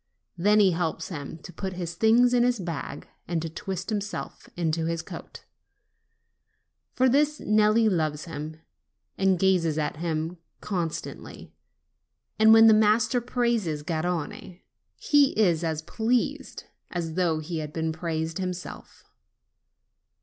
Then he helps him to put his things in his bag and to twist himself into his coat. For this Nelli loves him, and gazes at him con stantly; and when the master praises Garrone he is as pleased, as though he had been praised himself.